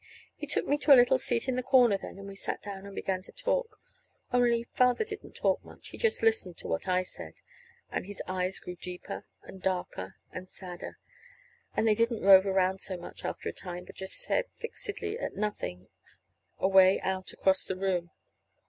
He took me to a little seat in the corner then, and we sat down and began to talk only Father didn't talk much. He just listened to what I said, and his eyes grew deeper and darker and sadder, and they didn't rove around so much, after a time, but just stared fixedly at nothing, away out across the room.